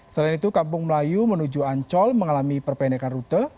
selain itu kampung melayu menuju ancol mengalami perpendekan rute